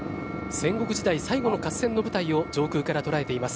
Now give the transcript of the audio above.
戦国時代最後の合戦の舞台を上空から捉えています。